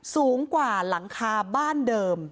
สูงกว่าหลังคาบ้านเดิม